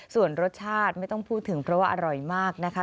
ส่วนรสชาติไม่ต้องพูดถึงเพราะว่าอร่อยมากนะคะ